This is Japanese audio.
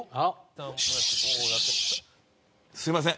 すいません。